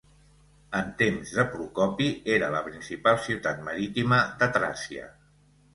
En temps de Procopi era la principal ciutat marítima de Tràcia.